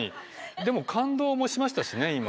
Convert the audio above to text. でも感動もしましたしね今。